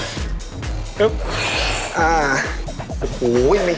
อ่า